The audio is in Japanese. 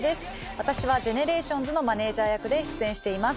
私はＧＥＮＥＲＡＴＩＯＮＳのマネジャー役で出演しています。